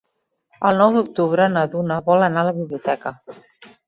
El nou d'octubre na Duna vol anar a la biblioteca.